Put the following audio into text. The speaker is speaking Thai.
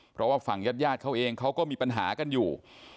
เพราะว่าฝั่งญาติญาติเขาเองเขาก็มีปัญหากันอยู่